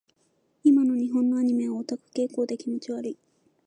今の日本のアニメはオタク傾向で気持ち悪い。